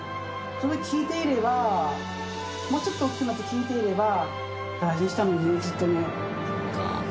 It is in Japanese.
聞いていればもうちょっと大きくなって聞いていれば大事にしたのにねずっとね。